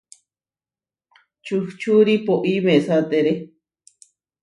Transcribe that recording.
Čuhčuri poʼí mesátere.